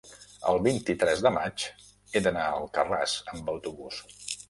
el vint-i-tres de maig he d'anar a Alcarràs amb autobús.